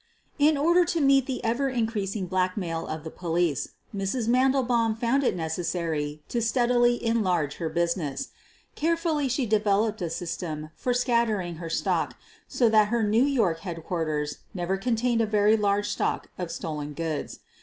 In order to meet the ever increasing blackmail of the police, Mrs. Mandelbanm found it necessary to steadily enlarge her business. Carefully she de veloped a system for scattering her stock so that her New York headquarters never contained a very large stock of stolen goods.